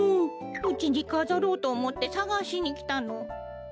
うちにかざろうとおもってさがしにきたの。